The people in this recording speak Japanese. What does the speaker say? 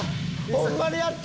ホンマであって！